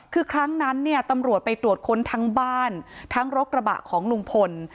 คือครั้งนั้นเนี่ยตำรวจไปตรวจค้นทั้งบ้านทั้งรถกระบะของลุงพล